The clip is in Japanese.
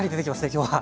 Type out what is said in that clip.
今日は。